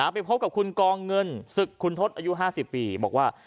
ไปพบกับคุณกองเงินศึกคุณทศอายุ๕๐ปีบอกว่า